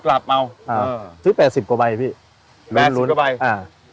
กลับเอาอ่าซื้อแปดสิบกว่าใบพี่แปดศูนย์กว่าใบอ่า